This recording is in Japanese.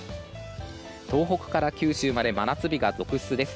東北から九州まで真夏日が続出です。